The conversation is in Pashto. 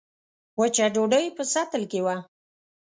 وچه ډوډۍ په سطل کې وه.